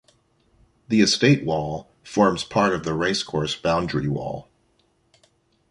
The estate wall forms part of the racecourse boundary wall.